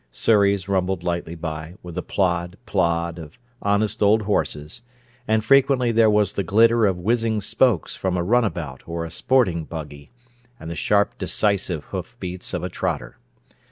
Surreys rumbled lightly by, with the plod plod of honest old horses, and frequently there was the glitter of whizzing spokes from a runabout or a sporting buggy, and the sharp, decisive hoof beats of a trotter.